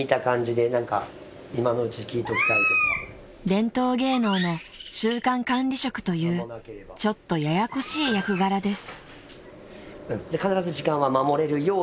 ［伝統芸能の中間管理職というちょっとややこしい役柄です］